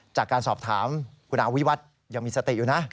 จากการสอบถามคุณอาวิวัฒน์ยังมีสติอยู่นะ